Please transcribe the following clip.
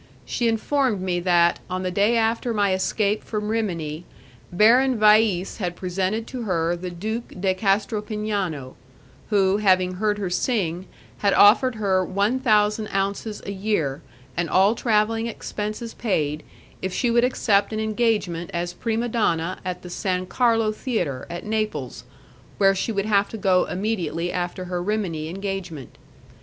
She informed me that, on the day after my escape from Rimini, Baron Vais had presented to her the Duke de Castropignano, who, having heard her sing, had offered her one thousand ounces a year, and all travelling expenses paid, if she would accept an engagement as prima donna at the San Carlo Theatre, at Naples, where she would have to go immediately after her Rimini engagement.